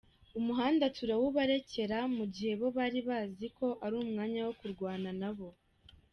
Umuhanda turawubarekera, mugihe bo bari bazi ko ari umwanya wo kurwana nabo.